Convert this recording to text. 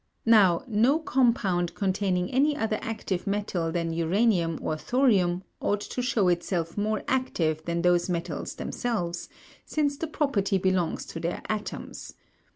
Now, no compound containing any other active metal than uranium or thorium ought to show itself more active than those metals themselves, since the property belongs to their atoms.